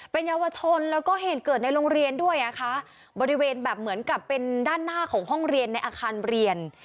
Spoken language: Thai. เป็นเยาวชนแล้วก็เหตุเกิดในโรงเรียนด้วยอ่ะค่ะบริเวณแบบเหมือนกับเป็นด้านหน้าของห้องเรียนในอาคารเรียน